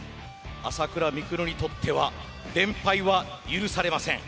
朝倉未来にとっては連敗は許されません。